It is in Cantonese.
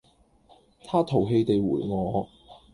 他淘氣地回我